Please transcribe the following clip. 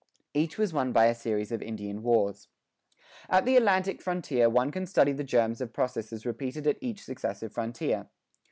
Each was won by a series of Indian wars. At the Atlantic frontier one can study the germs of processes repeated at each successive frontier.